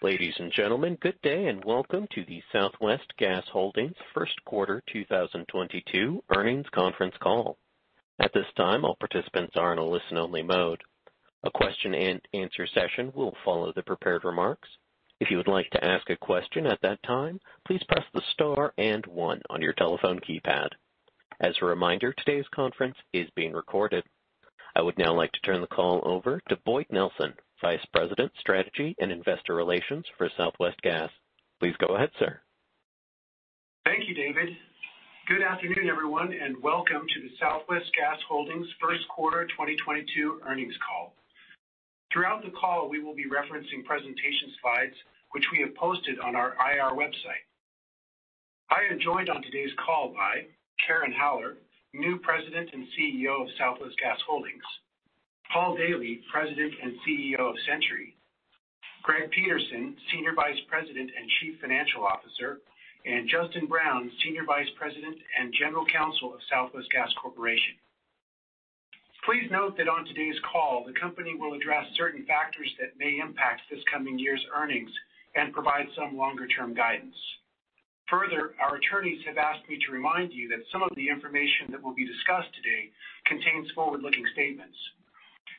Ladies and gentlemen, good day and welcome to the Southwest Gas Holdings Q1 2022 Earnings Conference Call. At this time, all participants are in a listen-only mode. A question-and-answer session will follow the prepared remarks. If you would like to ask a question at that time, please press the star and one on your telephone keypad. As a reminder, today's conference is being recorded. I would now like to turn the call over to Boyd Nelson, Vice President of Strategy and Investor Relations for Southwest Gas. Please go ahead, sir. Thank you, David. Good afternoon, everyone, and welcome to the Southwest Gas Holdings Q1 2022 Earnings Call. Throughout the call, we will be referencing presentation slides, which we have posted on our IR website. I am joined on today's call by Karen Haller, new President and CEO of Southwest Gas Holdings; Paul Daily, President and CEO of Centuri; Greg Peterson, Senior Vice President and Chief Financial Officer; and Justin Brown, Senior Vice President and General Counsel of Southwest Gas Corporation. Please note that on today's call, the company will address certain factors that may impact this coming year's earnings and provide some longer-term guidance. Further, our attorneys have asked me to remind you that some of the information that will be discussed today contains forward-looking statements.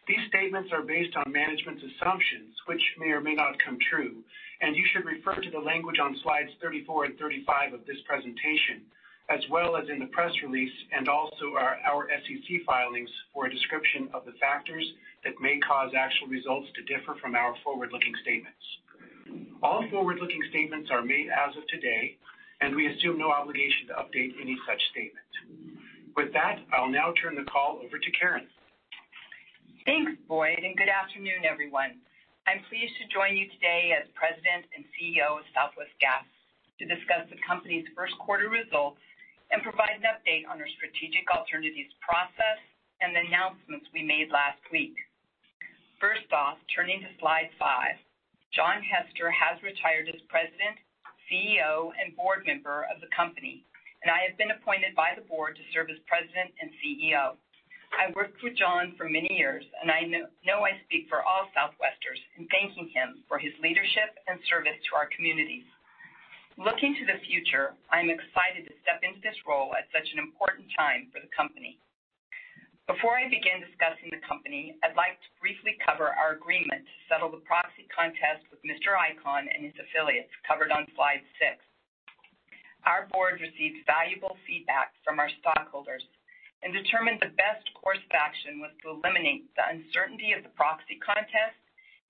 These statements are based on management's assumptions, which may or may not come true, and you should refer to the language on slides 34 and 35 of this presentation, as well as in the press release and also our SEC filings for a description of the factors that may cause actual results to differ from our forward-looking statements. All forward-looking statements are made as of today, and we assume no obligation to update any such statement. With that, I'll now turn the call over to Karen. Thanks, Boyd, and good afternoon, everyone. I'm pleased to join you today as President and CEO of Southwest Gas to discuss the company's Q1 results and provide an update on our strategic alternatives process and the announcements we made last week. First off, turning to slide five, John Hester has retired as President, CEO, and board member of the company, and I have been appointed by the board to serve as President and CEO. I worked with John for many years, and I know I speak for all Southwesters in thanking him for his leadership and service to our community. Looking to the future, I'm excited to step into this role at such an important time for the company. Before I begin discussing the company, I'd like to briefly cover our agreement to settle the proxy contest with Mr. Icahn and his affiliates covered on slide six. Our board received valuable feedback from our stockholders and determined the best course of action was to eliminate the uncertainty of the proxy contest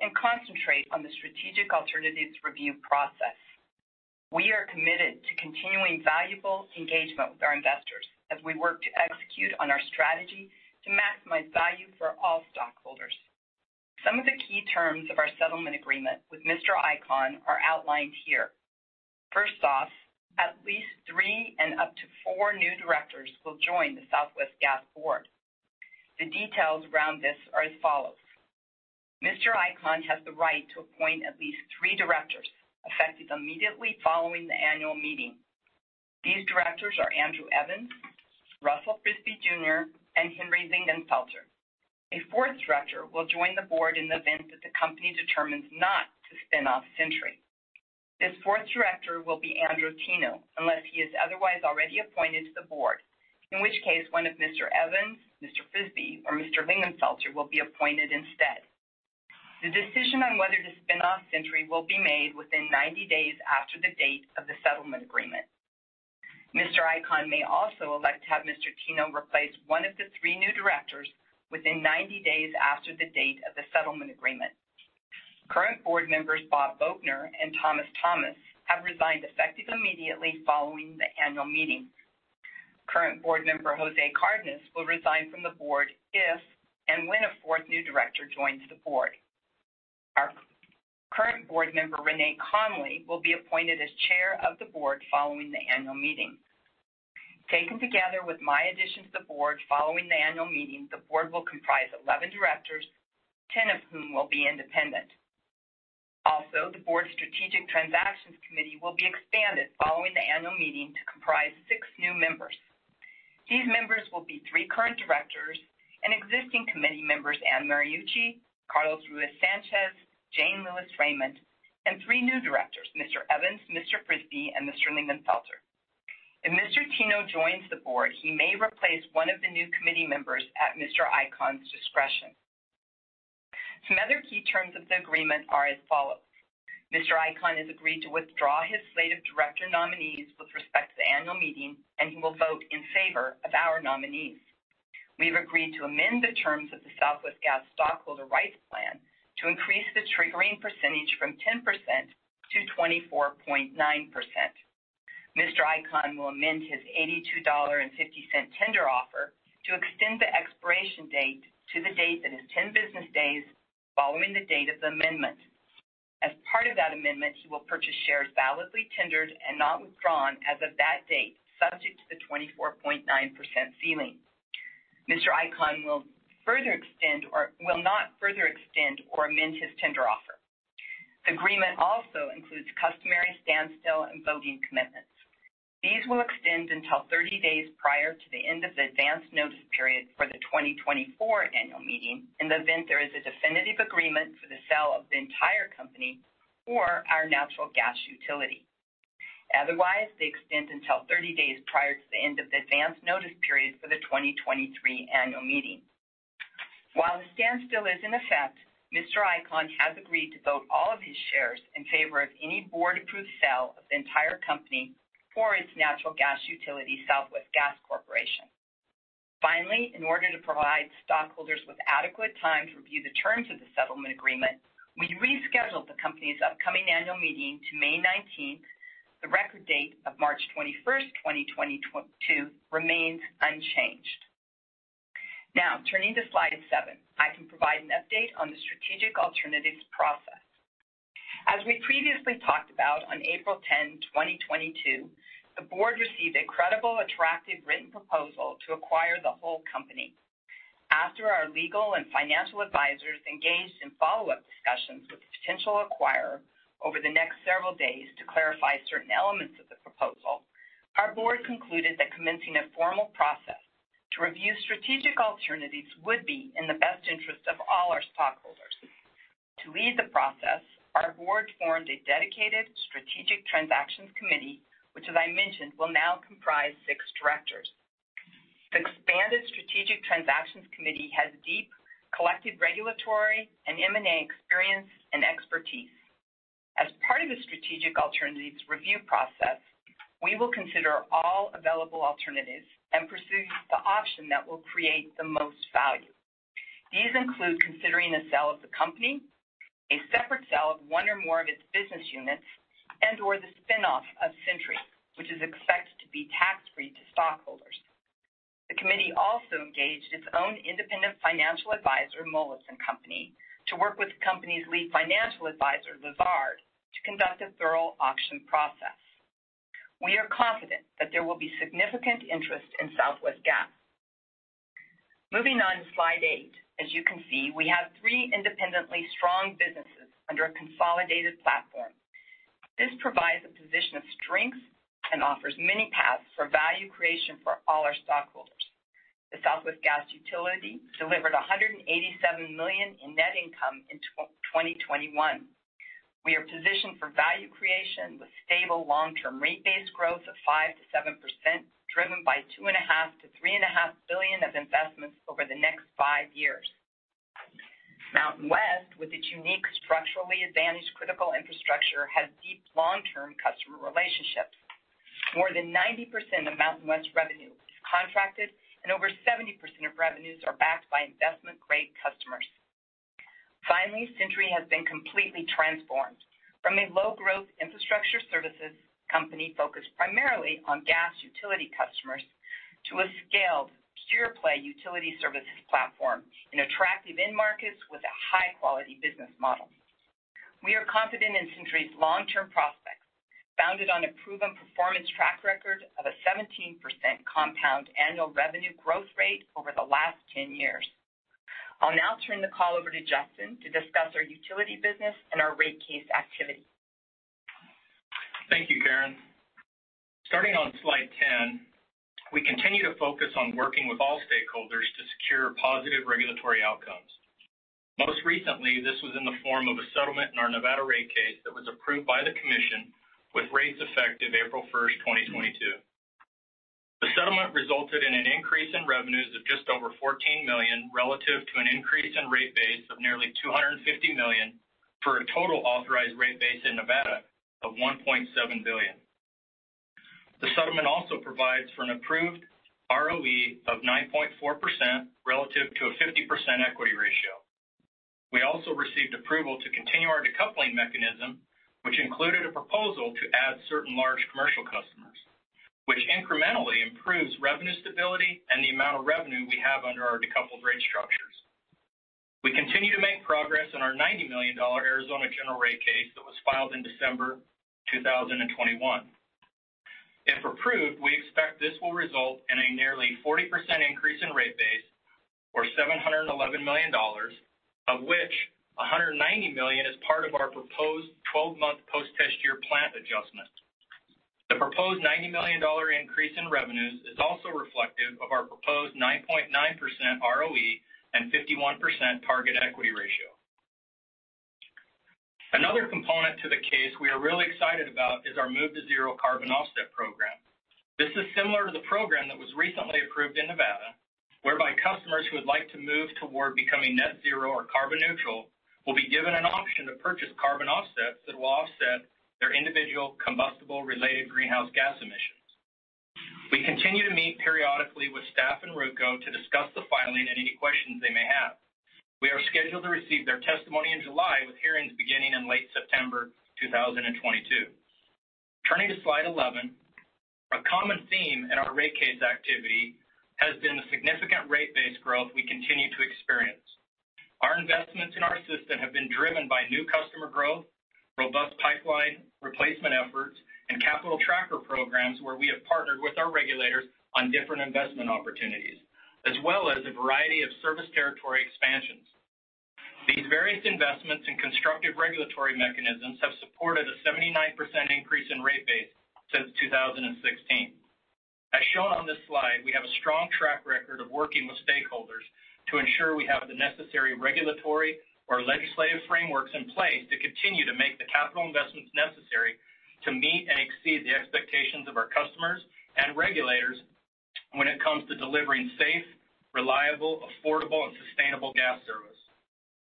and concentrate on the strategic alternatives review process. We are committed to continuing valuable engagement with our investors as we work to execute on our strategy to maximize value for all stockholders. Some of the key terms of our settlement agreement with Mr. Icahn are outlined here. First off, at least three and up to four new directors will join the Southwest Gas Board. The details around this are as follows. Mr. Icahn has the right to appoint at least three directors effective immediately following the annual meeting. These directors are Andrew Evans, Russell Frisby Jr., and Henry Linginfelter. A fourth director will join the board in the event that the company determines not to spin off Centuri. This fourth director will be Andrew Teno unless he is otherwise already appointed to the board, in which case one of Mr. Evans, Mr. Frisby, or Mr. Linginfelter will be appointed instead. The decision on whether to spin off Centuri will be made within 90 days after the date of the settlement agreement. Mr. Icahn may also elect to have Mr. Teno replace one of the three new directors within 90 days after the date of the settlement agreement. Current board members Bob Boughner and Thomas Thomas have resigned effective immediately following the annual meeting. Current board member José Cárdenas will resign from the board if and when a fourth new director joins the board. Our current board member Renae Conley will be appointed as chair of the board following the annual meeting. Taken together with my addition to the board following the annual meeting, the board will comprise 11 directors, 10 of whom will be independent. Also, the board's Strategic Transactions Committee will be expanded following the annual meeting to comprise six new members. These members will be three current directors, an existing committee member, Anne Mariucci, Carlos Ruisanchez, Jane Lewis-Raymond, and three new directors, Mr. Evans, Mr. Frisby, and Mr. Linginfelter. If Mr. Tino joins the board, he may replace one of the new committee members at Mr. Icahn's discretion. Some other key terms of the agreement are as follows. Mr. Icahn has agreed to withdraw his slate of director nominees with respect to the annual meeting, and he will vote in favor of our nominees. We have agreed to amend the terms of the Southwest Gas stockholder rights plan to increase the triggering percentage from 10% to 24.9%. Mr. Icahn will amend his $82.50 tender offer to extend the expiration date to the date that is 10 business days following the date of the amendment. As part of that amendment, he will purchase shares validly tendered and not withdrawn as of that date, subject to the 24.9% ceiling. Mr. Icahn will further extend or will not further extend or amend his tender offer. The agreement also includes customary standstill and voting commitments. These will extend until 30 days prior to the end of the advance notice period for the 2024 annual meeting in the event there is a definitive agreement for the sale of the entire company or our natural gas utility. Otherwise, they extend until 30 days prior to the end of the advance notice period for the 2023 annual meeting. While the standstill is in effect, Mr. Icahn has agreed to vote all of his shares in favor of any board-approved sale of the entire company or its natural gas utility, Southwest Gas Corporation. Finally, in order to provide stockholders with adequate time to review the terms of the settlement agreement, we rescheduled the company's upcoming annual meeting to 19 May. The record date of 21 March 2022, remains unchanged. Now, turning to slide seven, I can provide an update on the strategic alternatives process. As we previously talked about on 10 April 2022, the board received a credible, attractive written proposal to acquire the whole company. After our legal and financial advisors engaged in follow-up discussions with the potential acquirer over the next several days to clarify certain elements of the proposal, our board concluded that commencing a formal process to review strategic alternatives would be in the best interest of all our stockholders. To lead the process, our board formed a dedicated Strategic Transactions Committee, which, as I mentioned, will now comprise six directors. The expanded Strategic Transactions Committee has deep collective regulatory and M&A experience and expertise. As part of the strategic alternatives review process, we will consider all available alternatives and pursue the option that will create the most value. These include considering a sale of the company, a separate sale of one or more of its business units, and/or the spinoff of Centuri, which is expected to be tax-free to stockholders. The committee also engaged its own independent financial advisor, Moelis & Company, to work with the company's lead financial advisor, Lazard, to conduct a thorough auction process. We are confident that there will be significant interest in Southwest Gas Holdings. Moving on to slide eight, as you can see, we have three independently strong businesses under a consolidated platform. This provides a position of strength and offers many paths for value creation for all our stockholders. The Southwest Gas utility delivered $187 million in net income in 2021. We are positioned for value creation with stable long-term rate base growth of 5-7%, driven by $2.5 billion-$3.5 billion of investments over the next five years. MountainWest, with its unique structurally advantaged critical infrastructure, has deep long-term customer relationships. More than 90% of MountainWest's revenue is contracted, and over 70% of revenues are backed by investment-grade customers. Finally, Centuri has been completely transformed from a low-growth infrastructure services company focused primarily on gas utility customers to a scaled pure-play utility services platform in attractive end markets with a high-quality business model. We are confident in Centuri's long-term prospects, founded on a proven performance track record of a 17% compound annual revenue growth rate over the last 10 years. I'll now turn the call over to Justin to discuss our utility business and our rate case activity. Thank you, Karen. Starting on slide 10, we continue to focus on working with all stakeholders to secure positive regulatory outcomes. Most recently, this was in the form of a settlement in our Nevada rate case that was approved by the commission with rates effective 1 April 2022. The settlement resulted in an increase in revenues of just over $14 million relative to an increase in rate base of nearly $250 million for a total authorized rate base in Nevada of $1.7 billion. The settlement also provides for an approved ROE of 9.4% relative to a 50% equity ratio. We also received approval to continue our decoupling mechanism, which included a proposal to add certain large commercial customers, which incrementally improves revenue stability and the amount of revenue we have under our decoupled rate structures. We continue to make progress in our $90 million Arizona General Rate Case that was filed in December 2021. If approved, we expect this will result in a nearly 40% increase in rate base or $711 million, of which $190 million is part of our proposed 12-month post-test year plant adjustment. The proposed $90 million increase in revenues is also reflective of our proposed 9.9% ROE and 51% target equity ratio. Another component to the case we are really excited about is our move to zero carbon offset program. This is similar to the program that was recently approved in Nevada, whereby customers who would like to move toward becoming net zero or carbon neutral will be given an option to purchase carbon offsets that will offset their individual combustible-related greenhouse gas emissions. We continue to meet periodically with staff and RUCO to discuss the filing and any questions they may have. We are scheduled to receive their testimony in July with hearings beginning in late September 2022. Turning to slide 11, a common theme in our rate case activity has been the significant rate base growth we continue to experience. Our investments in our system have been driven by new customer growth, robust pipeline replacement efforts, and capital tracker programs where we have partnered with our regulators on different investment opportunities, as well as a variety of service territory expansions. These various investments and constructive regulatory mechanisms have supported a 79% increase in rate base since 2016. As shown on this slide, we have a strong track record of working with stakeholders to ensure we have the necessary regulatory or legislative frameworks in place to continue to make the capital investments necessary to meet and exceed the expectations of our customers and regulators when it comes to delivering safe, reliable, affordable, and sustainable gas service.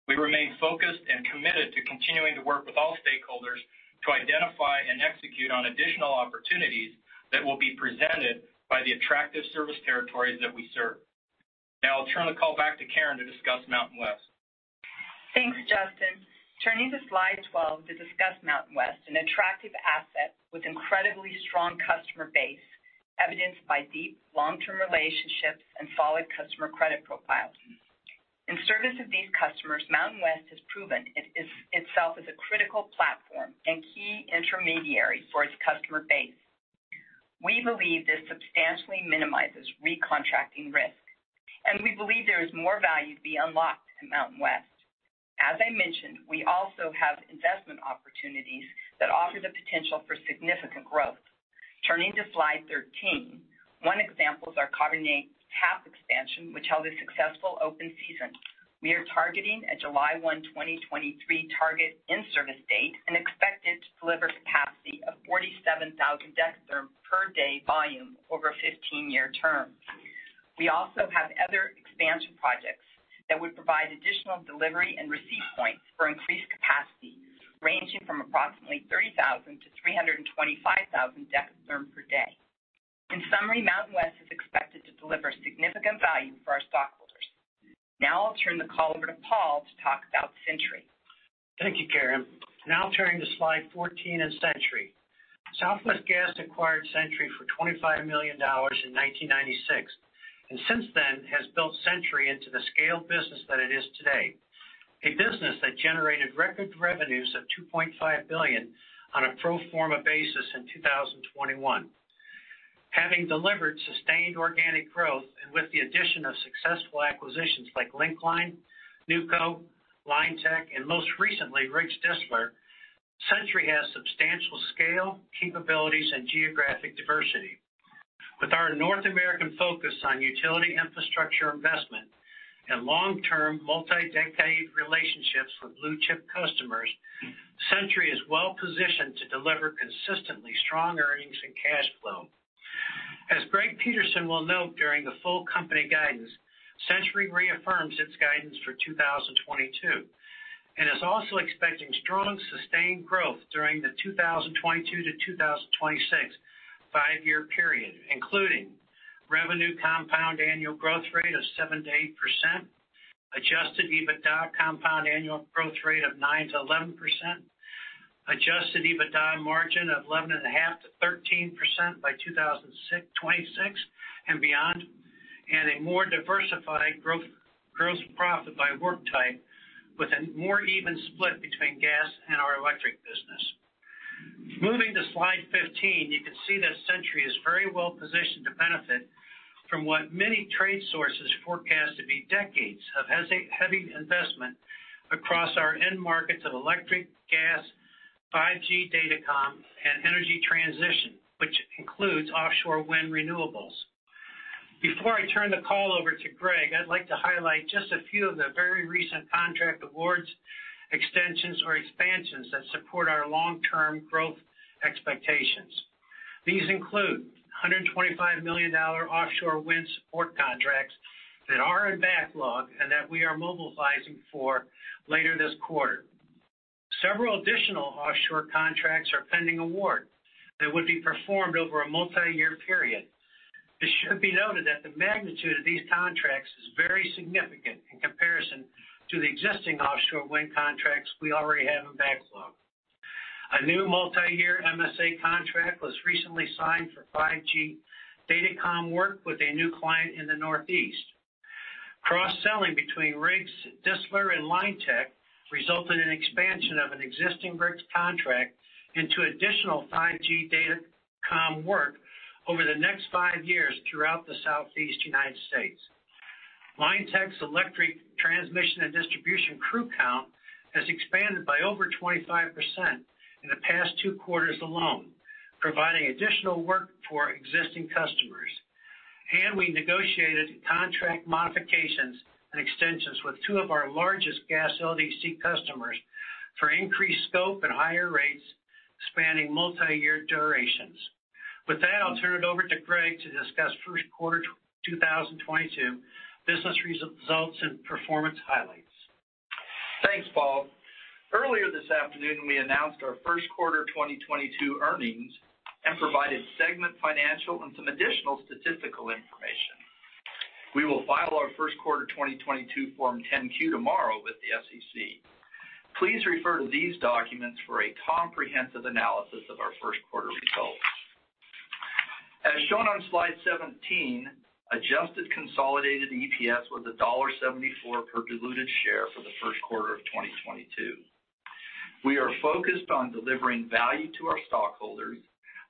We remain focused and committed to continuing to work with all stakeholders to identify and execute on additional opportunities that will be presented by the attractive service territories that we serve. Now, I'll turn the call back to Karen to discuss MountainWest. Thanks, Justin. Turning to slide 12 to discuss MountainWest, an attractive asset with an incredibly strong customer base evidenced by deep long-term relationships and solid customer credit profiles. In service of these customers, MountainWest has proven itself as a critical platform and key intermediary for its customer base. We believe this substantially minimizes re-contracting risk, and we believe there is more value to be unlocked in MountainWest. As I mentioned, we also have investment opportunities that offer the potential for significant growth. Turning to slide 13, one example is our Carbonate Tap Expansion, which held a successful open season. We are targeting a 1 July 2023, target in-service date and expected to deliver a capacity of 47,000 dekatherms per day volume over a 15-year term. We also have other expansion projects that would provide additional delivery and receipt points for increased capacity ranging from approximately 30,000 to 325,000 dekatherms per day. In summary, MountainWest is expected to deliver significant value for our stockholders. Now, I'll turn the call over to Paul to talk about Centuri. Thank you, Karen. Now, turning to slide 14 in Centuri. Southwest Gas acquired Centuri for $25 million in 1996, and since then has built Centuri into the scale business that it is today, a business that generated record revenues of $2.5 billion on a pro forma basis in 2021. Having delivered sustained organic growth and with the addition of successful acquisitions like Link-Line, Neuco, Linetec, and most recently, Riggs Distler, Centuri has substantial scale, capabilities, and geographic diversity. With our North American focus on utility infrastructure investment and long-term multi-decade relationships with blue-chip customers, Centuri is well-positioned to deliver consistently strong earnings and cash flow. As Greg Peterson will note during the full company guidance, Centuri reaffirms its guidance for 2022 and is also expecting strong sustained growth during the 2022 to 2026 five-year period, including revenue compound annual growth rate of 7-8%, adjusted EBITDA compound annual growth rate of 9-11%, adjusted EBITDA margin of 11.5-13% by 2026 and beyond, and a more diversified growth profit by work type with a more even split between gas and our electric business. Moving to slide 15, you can see that Centuri is very well-positioned to benefit from what many trade sources forecast to be decades of heavy investment across our end markets of electric, gas, 5G datacom, and energy transition, which includes offshore wind renewables. Before I turn the call over to Greg, I'd like to highlight just a few of the very recent contract awards, extensions, or expansions that support our long-term growth expectations. These include $125 million offshore wind support contracts that are in backlog and that we are mobilizing for later this quarter. Several additional offshore contracts are pending award that would be performed over a multi-year period. It should be noted that the magnitude of these contracts is very significant in comparison to the existing offshore wind contracts we already have in backlog. A new multi-year MSA contract was recently signed for 5G datacom work with a new client in the Northeast. Cross-selling between Riggs Distler and Linetec resulted in expansion of an existing Riggs contract into additional 5G datacom work over the next five years throughout the Southeast United States. Linetec's electric transmission and distribution crew count has expanded by over 25% in the past two quarters alone, providing additional work for existing customers. We negotiated contract modifications and extensions with two of our largest gas LDC customers for increased scope and higher rates spanning multi-year durations. With that, I'll turn it over to Greg to discuss Q1 2022 business results and performance highlights. Thanks, Paul. Earlier this afternoon, we announced our Q1 2022 earnings and provided segment financial and some additional statistical information. We will file our Q1 2022 Form 10Q tomorrow with the SEC. Please refer to these documents for a comprehensive analysis of our Q1 results. As shown on slide 17, adjusted consolidated EPS was $1.74 per diluted share for the Q1 of 2022. We are focused on delivering value to our stockholders,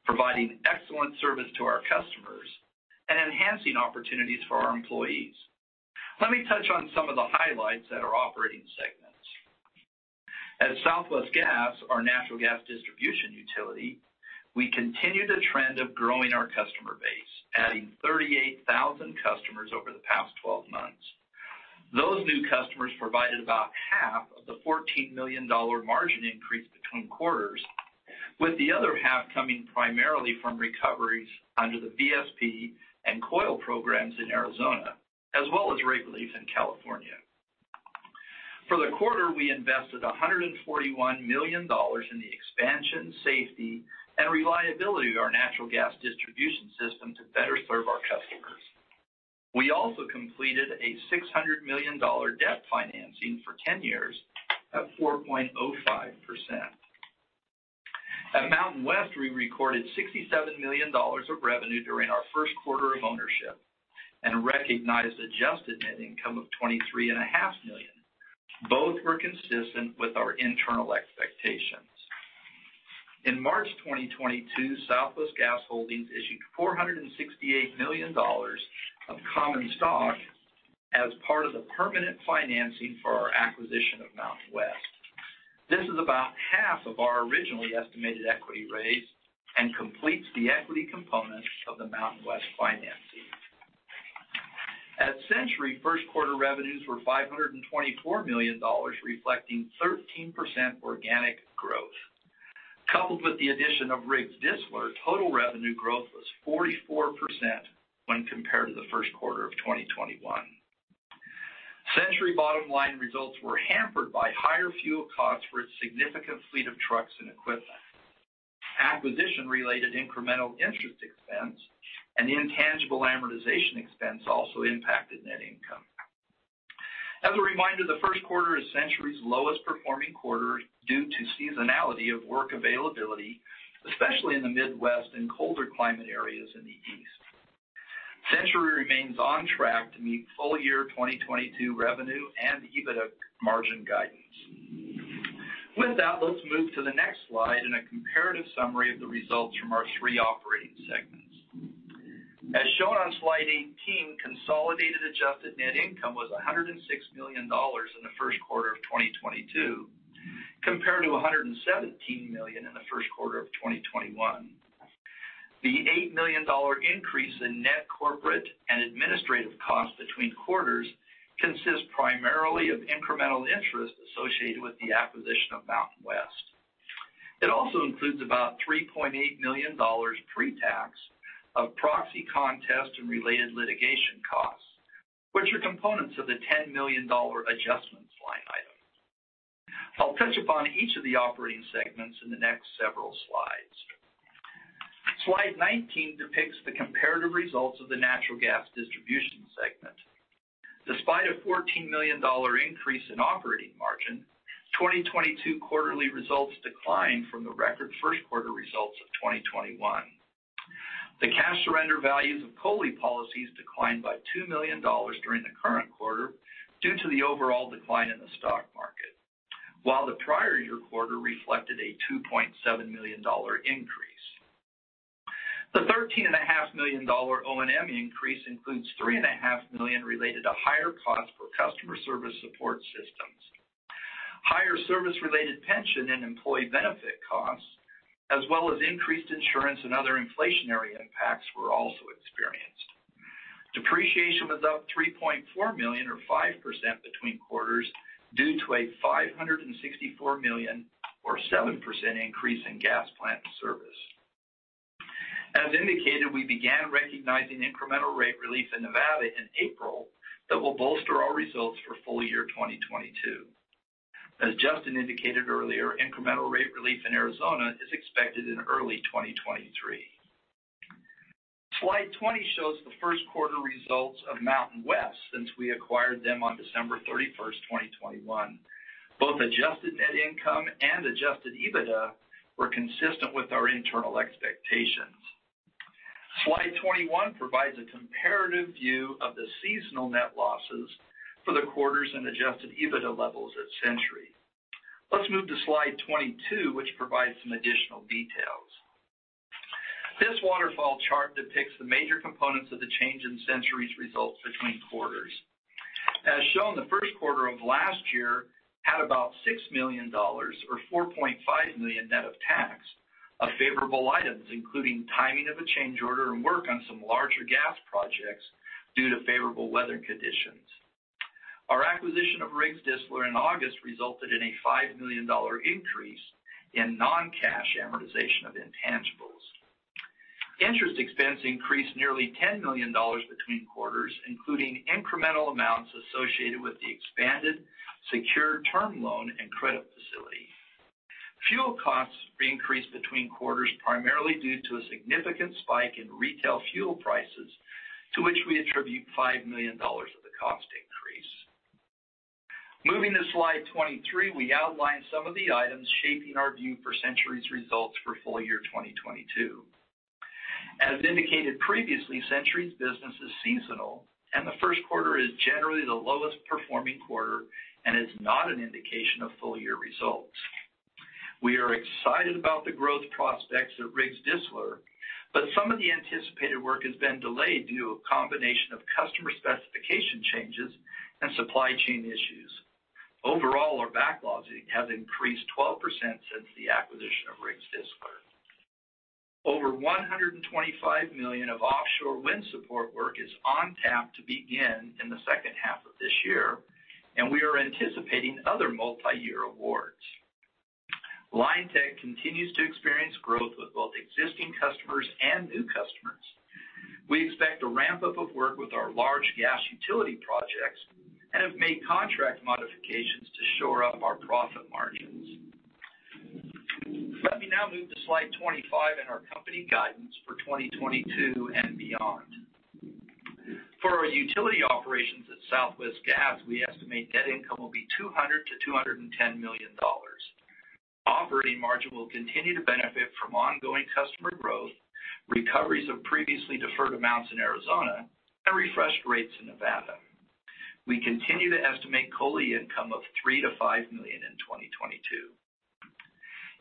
providing excellent service to our customers, and enhancing opportunities for our employees. Let me touch on some of the highlights at our operating segments. At Southwest Gas, our natural gas distribution utility, we continue the trend of growing our customer base, adding 38,000 customers over the past 12 months. Those new customers provided about half of the $14 million margin increase between quarters, with the other half coming primarily from recoveries under the VSP and COYL programs in Arizona, as well as rate relief in California. For the quarter, we invested $141 million in the expansion, safety, and reliability of our natural gas distribution system to better serve our customers. We also completed a $600 million debt financing for 10 years at 4.05%. At MountainWest, we recorded $67 million of revenue during our Q1 of ownership and recognized adjusted net income of $23.5 million. Both were consistent with our internal expectations. In March 2022, Southwest Gas Holdings issued $468 million of common stock as part of the permanent financing for our acquisition of MountainWest. This is about half of our originally estimated equity raise and completes the equity component of the MountainWest financing. At Centuri, Q1 revenues were $524 million, reflecting 13% organic growth. Coupled with the addition of Riggs Distler, total revenue growth was 44% when compared to the Q1 of 2021. Centuri bottom line results were hampered by higher fuel costs for its significant fleet of trucks and equipment. Acquisition-related incremental interest expense and intangible amortization expense also impacted net income. As a reminder, the Q1 is Centuri's lowest performing quarter due to seasonality of work availability, especially in the Midwest and colder climate areas in the East. Centuri remains on track to meet full year 2022 revenue and EBITDA margin guidance. With that, let's move to the next slide and a comparative summary of the results from our three operating segments. As shown on slide 18, consolidated adjusted net income was $106 million in the Q1 of 2022, compared to $117 million in the Q1 of 2021. The $8 million increase in net corporate and administrative costs between quarters consists primarily of incremental interest associated with the acquisition of MountainWest. It also includes about $3.8 million pre-tax of proxy contest and related litigation costs, which are components of the $10 million adjustment line item. I'll touch upon each of the operating segments in the next several slides. Slide 19 depicts the comparative results of the natural gas distribution segment. Despite a $14 million increase in operating margin, 2022 quarterly results declined from the record Q1 results of 2021. The cash surrender values of COLI policies declined by $2 million during the current quarter due to the overall decline in the stock market, while the prior year quarter reflected a $2.7 million increase. The $13.5 million O&M increase includes $3.5 million related to higher costs for customer service support systems. Higher service-related pension and employee benefit costs, as well as increased insurance and other inflationary impacts, were also experienced. Depreciation was up $3.4 million, or 5%, between quarters due to a $564 million, or 7%, increase in gas plant service. As indicated, we began recognizing incremental rate relief in Nevada in April that will bolster our results for full year 2022. As Justin indicated earlier, incremental rate relief in Arizona is expected in early 2023. Slide 20 shows the Q1 results of MountainWest since we acquired them on 31 December 2021. Both adjusted net income and adjusted EBITDA were consistent with our internal expectations. Slide 21 provides a comparative view of the seasonal net losses for the quarters and adjusted EBITDA levels at Centuri. Let's move to slide 22, which provides some additional details. This waterfall chart depicts the major components of the change in Centuri's results between quarters. As shown, the Q1 of last year had about $6 million, or $4.5 million net of tax, of favorable items, including timing of a change order and work on some larger gas projects due to favorable weather conditions. Our acquisition of Riggs Distler in August resulted in a $5 million increase in non-cash amortization of intangibles. Interest expense increased nearly $10 million between quarters, including incremental amounts associated with the expanded secured term loan and credit facility. Fuel costs increased between quarters primarily due to a significant spike in retail fuel prices, to which we attribute $5 million of the cost increase. Moving to slide 23, we outline some of the items shaping our view for Centuri's results for full year 2022. As indicated previously, Centuri's business is seasonal, and the Q1 is generally the lowest performing quarter and is not an indication of full year results. We are excited about the growth prospects at Riggs Distler, but some of the anticipated work has been delayed due to a combination of customer specification changes and supply chain issues. Overall, our backlog has increased 12% since the acquisition of Riggs Distler. Over $125 million of offshore wind support work is on tap to begin in the second half of this year, and we are anticipating other multi-year awards. Linetec continues to experience growth with both existing customers and new customers. We expect a ramp-up of work with our large gas utility projects and have made contract modifications to shore up our profit margins. Let me now move to slide 25 in our company guidance for 2022 and beyond. For our utility operations at Southwest Gas, we estimate net income will be $200 to 210 million. Operating margin will continue to benefit from ongoing customer growth, recoveries of previously deferred amounts in Arizona, and refreshed rates in Nevada. We continue to estimate COLI income of $3 to 5 million in 2022.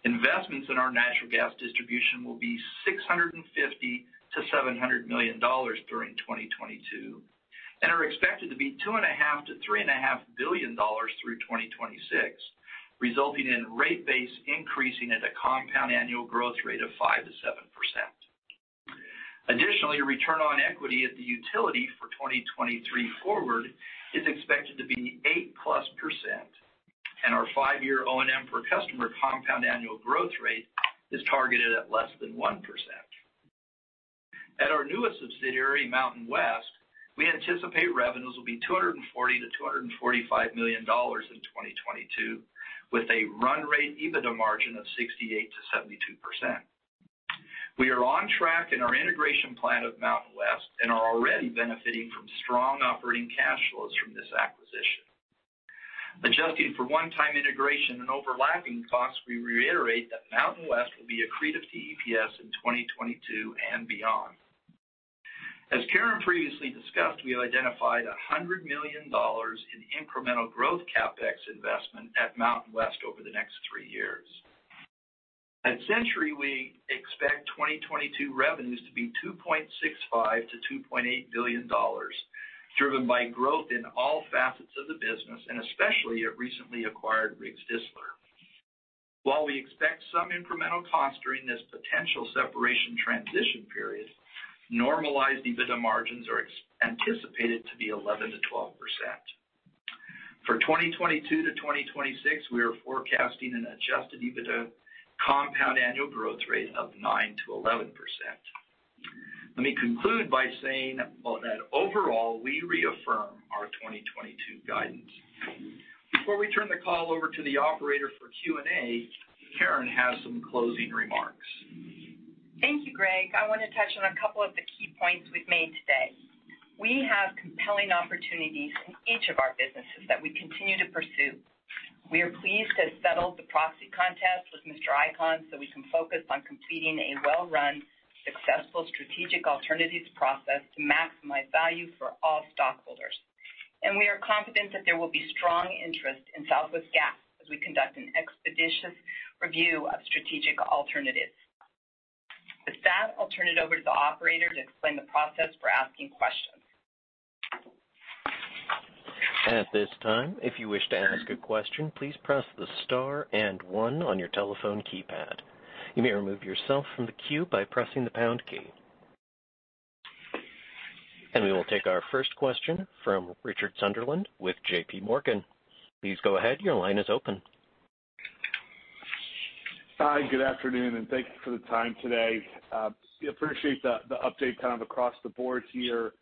Investments in our natural gas distribution will be $650 to 700 million during 2022 and are expected to be $2.5 to 3.5 billion through 2026, resulting in rate base increasing at a compound annual growth rate of 5% to 7%. Additionally, return on equity at the utility for 2023 forward is expected to be 8+%, and our five-year O&M for customer compound annual growth rate is targeted at less than 1%. At our newest subsidiary, MountainWest, we anticipate revenues will be $240 to 245 million in 2022, with a run rate EBITDA margin of 68% to 72%. We are on track in our integration plan of MountainWest and are already benefiting from strong operating cash flows from this acquisition. Adjusting for one-time integration and overlapping costs, we reiterate that MountainWest will be accretive to EPS in 2022 and beyond. As Karen previously discussed, we have identified $100 million in incremental growth CapEx investment at MountainWest over the next three years. At Centuri, we expect 2022 revenues to be $2.65 to 2.8 billion, driven by growth in all facets of the business and especially at recently acquired Riggs Distler. While we expect some incremental costs during this potential separation transition period, normalized EBITDA margins are anticipated to be 11% to 12%. For 2022 to 2026, we are forecasting an adjusted EBITDA compound annual growth rate of 9% to 11%. Let me conclude by saying that overall, we reaffirm our 2022 guidance. Before we turn the call over to the operator for Q&A, Karen has some closing remarks. Thank you, Greg. I want to touch on a couple of the key points we've made today. We have compelling opportunities in each of our businesses that we continue to pursue. We are pleased to have settled the proxy contest with Mr. Icahn so we can focus on completing a well-run, successful strategic alternatives process to maximize value for all stockholders. We are confident that there will be strong interest in Southwest Gas Holdings as we conduct an expeditious review of strategic alternatives. With that, I'll turn it over to the operator to explain the process for asking questions. At this time, if you wish to ask a question, please press the star and one on your telephone keypad. You may remove yourself from the queue by pressing the pound key. We will take our first question from Richard Sunderland with JP Morgan. Please go ahead. Your line is open. Hi, good afternoon, and thank you for the time today. I appreciate the update kind of across the board here,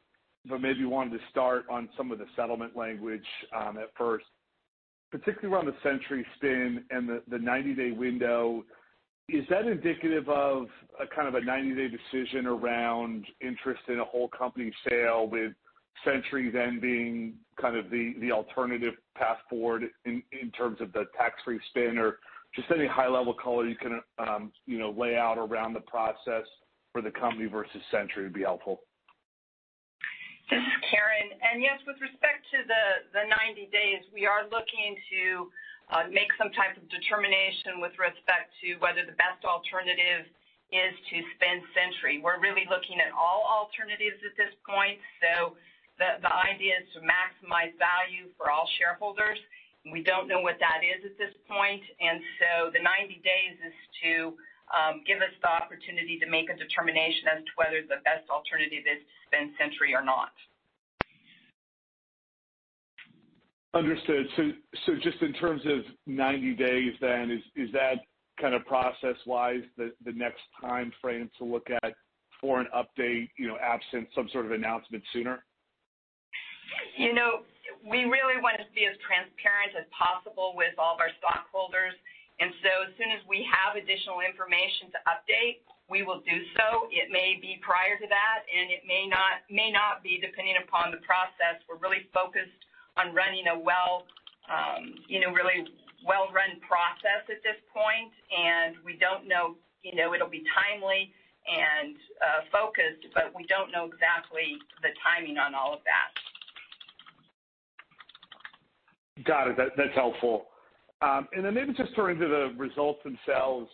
but maybe wanted to start on some of the settlement language at first, particularly around the Centuri spin and the 90-day window. Is that indicative of kind of a 90-day decision around interest in a whole company sale with Centuri then being kind of the alternative path forward in terms of the tax-free spin? Or just any high-level color you can lay out around the process for the company versus Centuri would be helpful. This is Karen. Yes, with respect to the 90 days, we are looking to make some type of determination with respect to whether the best alternative is to spin Centuri. We are really looking at all alternatives at this point. The idea is to maximize value for all shareholders. We do not know what that is at this point. The 90 days is to give us the opportunity to make a determination as to whether the best alternative is to spin Centuri or not. Understood. Just in terms of 90 days then, is that kind of process-wise the next time frame to look at for an update absent some sort of announcement sooner? We really want to be as transparent as possible with all of our stockholders. As soon as we have additional information to update, we will do so. It may be prior to that, and it may not be depending upon the process. We are really focused on running a really well-run process at this point. We do not know, it will be timely and focused, but we do not know exactly the timing on all of that. Got it. That's helpful. Maybe just turning to the results themselves,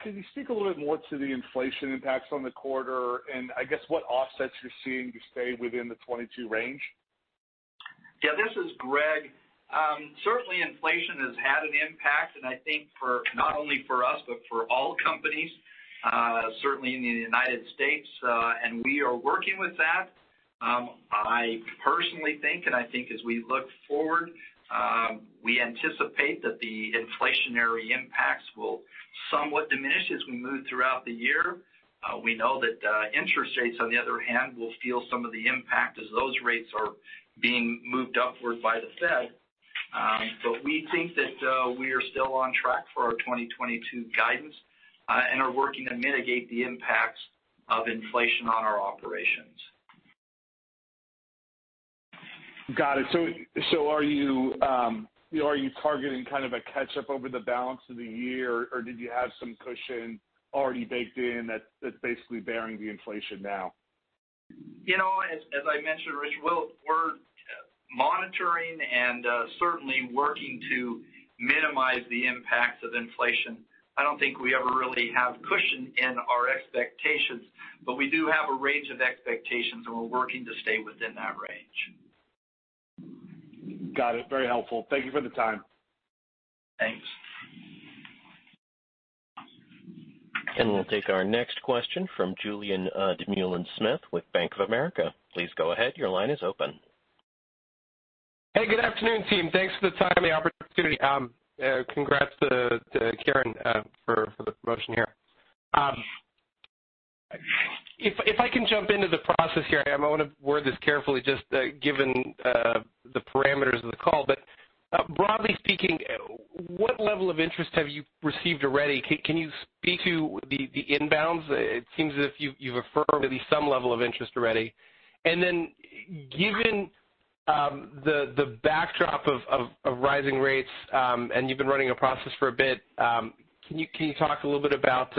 could you speak a little bit more to the inflation impacts on the quarter and I guess what offsets you're seeing to stay within the 22 range? Yeah, this is Greg. Certainly, inflation has had an impact, and I think not only for us but for all companies, certainly in the United States. We are working with that. I personally think, and I think as we look forward, we anticipate that the inflationary impacts will somewhat diminish as we move throughout the year. We know that interest rates, on the other hand, will feel some of the impact as those rates are being moved upward by the Fed. We think that we are still on track for our 2022 guidance and are working to mitigate the impacts of inflation on our operations. Got it. Are you targeting kind of a catch-up over the balance of the year, or did you have some cushion already baked in that's basically bearing the inflation now? As I mentioned, Rich, we're monitoring and certainly working to minimize the impacts of inflation. I don't think we ever really have cushion in our expectations, but we do have a range of expectations, and we're working to stay within that range. Got it. Very helpful. Thank you for the time. Thanks. We will take our next question from Julien Dumoulin-Smith with Bank of America. Please go ahead. Your line is open. Hey, good afternoon, team. Thanks for the time and the opportunity. Congrats to Karen for the promotion here. If I can jump into the process here, I want to word this carefully just given the parameters of the call. Broadly speaking, what level of interest have you received already? Can you speak to the inbounds? It seems as if you've affirmed at least some level of interest already, and then given the backdrop of rising rates and you've been running a process for a bit, can you talk a little bit about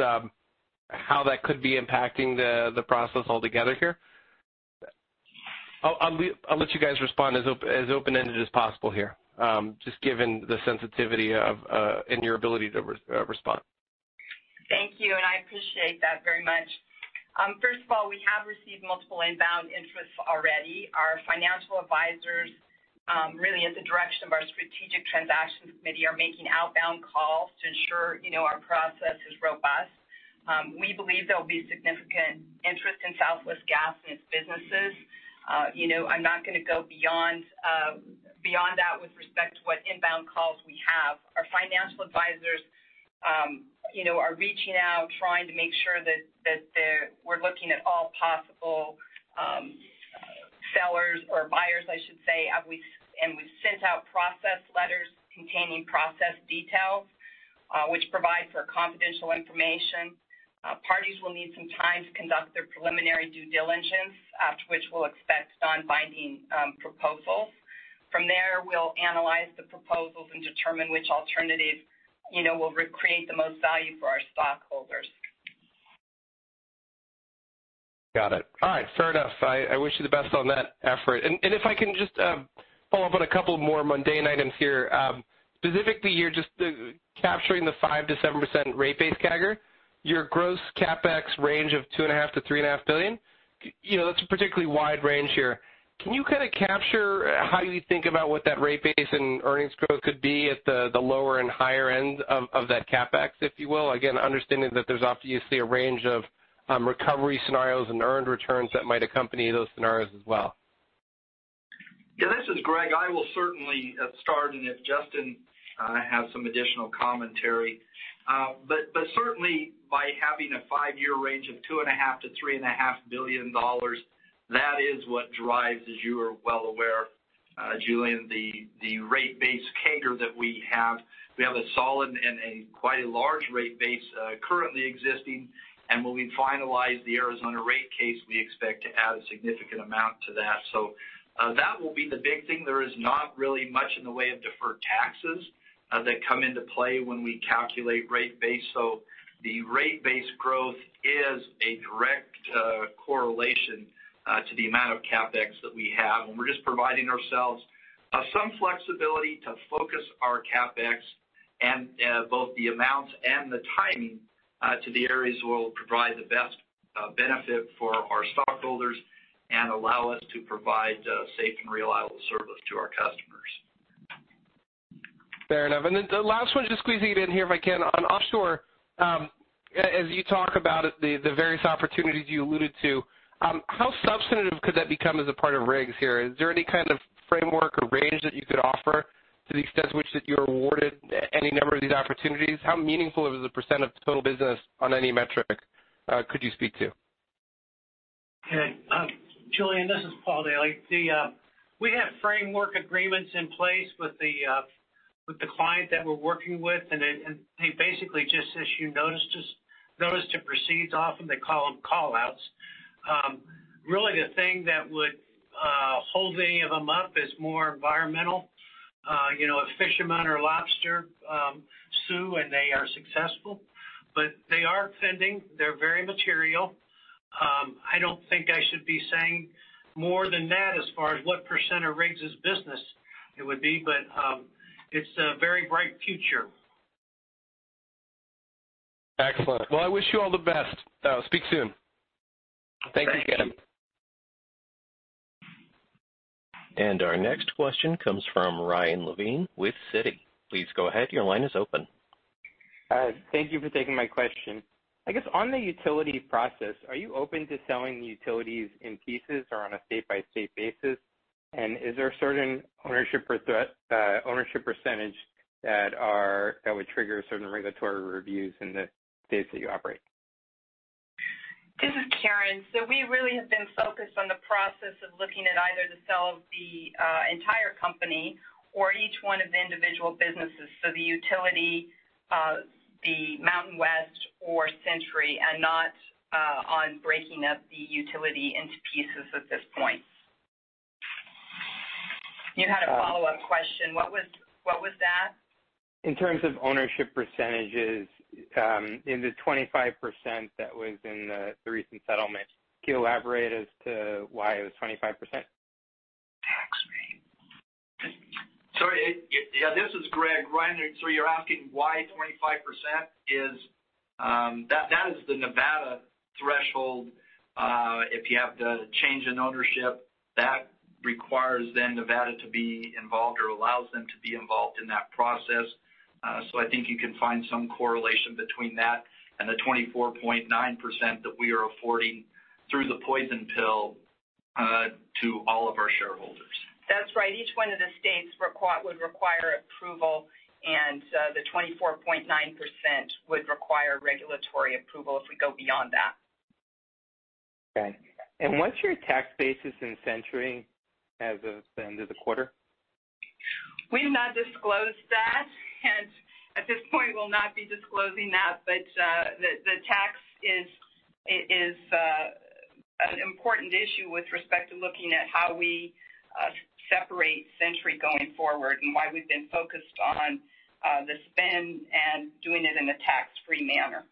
how that could be impacting the process altogether here? I'll let you guys respond as open-ended as possible here, just given the sensitivity and your ability to respond. Thank you. I appreciate that very much. First of all, we have received multiple inbound interests already. Our financial advisors, really at the direction of our Strategic Transactions Committee, are making outbound calls to ensure our process is robust. We believe there'll be significant interest in Southwest Gas and its businesses. I'm not going to go beyond that with respect to what inbound calls we have. Our financial advisors are reaching out, trying to make sure that we're looking at all possible sellers or buyers, I should say. We've sent out process letters containing process details, which provide for confidential information. Parties will need some time to conduct their preliminary due diligence, after which we'll expect non-binding proposals. From there, we'll analyze the proposals and determine which alternative will create the most value for our stockholders. Got it. All right. Fair enough. I wish you the best on that effort. If I can just follow up on a couple more mundane items here. Specifically, you're just capturing the 5-7% rate base CAGR. Your gross CapEx range of $2.5-$3.5 billion, that's a particularly wide range here. Can you kind of capture how you think about what that rate base and earnings growth could be at the lower and higher end of that CapEx, if you will? Again, understanding that there's obviously a range of recovery scenarios and earned returns that might accompany those scenarios as well. Yeah, this is Greg. I will certainly start, and if Justin has some additional commentary. Certainly, by having a five-year range of $2.5 to 3.5 billion, that is what drives, as you are well aware, Julian, the rate base CAGR that we have. We have a solid and quite a large rate base currently existing. When we finalize the Arizona rate case, we expect to add a significant amount to that. That will be the big thing. There is not really much in the way of deferred taxes that come into play when we calculate rate base. The rate base growth is a direct correlation to the amount of CapEx that we have. We are just providing ourselves some flexibility to focus our CapEx and both the amounts and the timing to the areas that will provide the best benefit for our stockholders and allow us to provide safe and reliable service to our customers. Fair enough. The last one, just squeezing it in here if I can. On offshore, as you talk about the various opportunities you alluded to, how substantive could that become as a part of Riggs here? Is there any kind of framework or range that you could offer to the extent to which that you're awarded any number of these opportunities? How meaningful is the percent of total business on any metric could you speak to? Okay. Julien, this is Paul Daily. We have framework agreements in place with the client that we're working with, and they basically just issue notice to proceed. Often they call them callouts. Really, the thing that would hold any of them up is more environmental. If fishermen or lobster sue, and they are successful. They are very material. I don't think I should be saying more than that as far as what percent of Riggs' business it would be, but it's a very bright future. Excellent. I wish you all the best. Speak soon. Thank you. Thanks, again. Our next question comes from Ryan Levine with Citi. Please go ahead. Your line is open. Thank you for taking my question. I guess on the utility process, are you open to selling utilities in pieces or on a state-by-state basis? Is there a certain ownership percentage that would trigger certain regulatory reviews in the states that you operate? This is Karen. We really have been focused on the process of looking at either the sale of the entire company or each one of the individual businesses, so the utility, the MountainWest, or Centuri, and not on breaking up the utility into pieces at this point. You had a follow-up question. What was that? In terms of ownership percentages, in the 25% that was in the recent settlement, can you elaborate as to why it was 25%? Sorry. Yeah, this is Greg. So you're asking why 25% is that is the Nevada threshold. If you have the change in ownership, that requires then Nevada to be involved or allows them to be involved in that process. I think you can find some correlation between that and the 24.9% that we are affording through the poison pill to all of our shareholders. That's right. Each one of the states would require approval, and the 24.9% would require regulatory approval if we go beyond that. Okay. What's your tax basis in Centuri as of the end of the quarter? We have not disclosed that. At this point, we will not be disclosing that. The tax is an important issue with respect to looking at how we separate Centuri going forward and why we have been focused on the spin and doing it in a tax-free manner.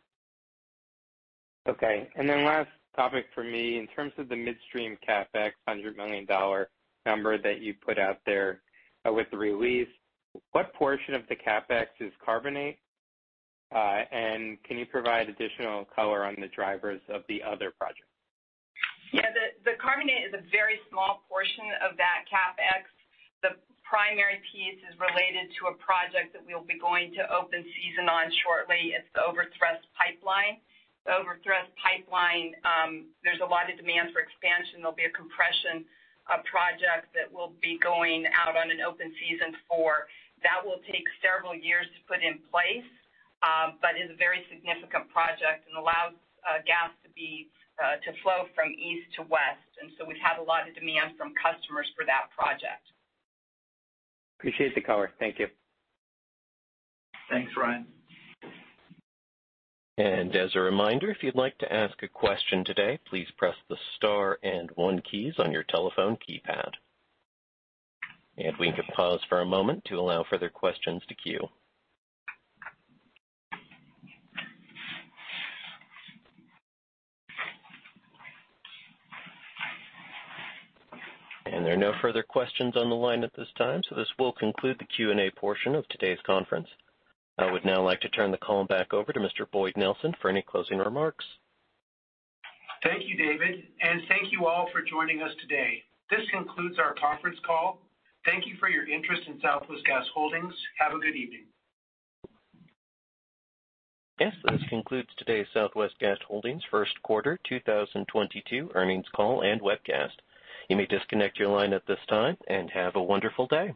Okay. Last topic for me, in terms of the midstream CapEx, $100 million number that you put out there with the release, what portion of the CapEx is Carbonate? Can you provide additional color on the drivers of the other project? Yeah. The Carbonate is a very small portion of that CapEx. The primary piece is related to a project that we'll be going to open season on shortly. It's the Overthrust pipeline. The Overthrust pipeline, there's a lot of demand for expansion. There'll be a compression project that we'll be going out on an open season for. That will take several years to put in place but is a very significant project and allows gas to flow from east to west. We have had a lot of demand from customers for that project. Appreciate the color. Thank you. Thanks, Ryan. As a reminder, if you'd like to ask a question today, please press the star and one keys on your telephone keypad. We can pause for a moment to allow further questions to queue. There are no further questions on the line at this time, so this will conclude the Q&A portion of today's conference. I would now like to turn the call back over to Mr. Boyd Nelson for any closing remarks. Thank you, David. Thank you all for joining us today. This concludes our conference call. Thank you for your interest in Southwest Gas Holdings. Have a good evening. Yes. This concludes today's Southwest Gas Holdings Q1 2022 earnings call and webcast. You may disconnect your line at this time and have a wonderful day.